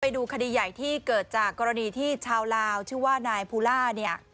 ดูคดีใหญ่ที่เกิดจากกรณีที่ชาวลาวชื่อว่านายภูล่าเนี่ย